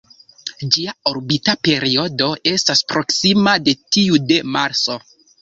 Ĝia orbita periodo estas proksima de tiu de Marso.